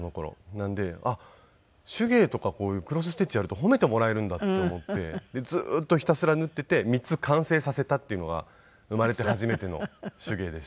なので手芸とかこういうクロスステッチやると褒めてもらえるんだと思ってずっとひたすら縫っていて３つ完成させたっていうのが生まれて初めての手芸でした。